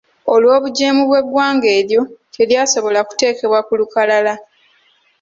Olw’obugyemu bw’eggwanga eryo, teryasobola kuteekebwa ku lukalala.